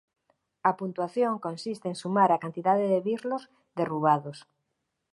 A puntuación consiste en sumar a cantidade de birlos derrubados.